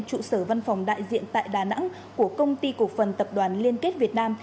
trụ sở văn phòng đại diện tại đà nẵng của công ty cổ phần tập đoàn liên kết việt nam